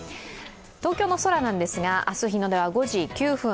東京の空なんですが、明日、日の出は５時９分。